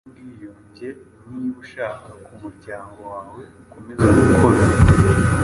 Reka amahoro n'ubwiyunge niba ushaka ko umuryango wawe ukomeza gukora,